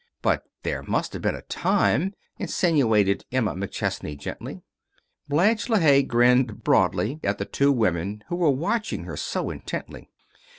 "But there must have been a time " insinuated Emma McChesney, gently. Blanche LeHaye grinned broadly at the two women who were watching her so intently.